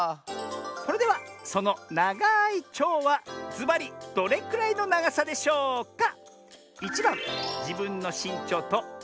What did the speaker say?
それではそのながいちょうはずばりどれくらいのながさでしょうか？